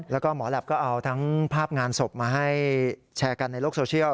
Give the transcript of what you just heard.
แล้วก็หมอแหลปก็เอาทั้งภาพงานศพมาให้แชร์กันในโลกโซเชียล